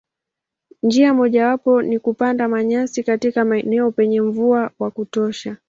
Njia mojawapo ni kupanda manyasi katika maeneo penye mvua wa kutosha.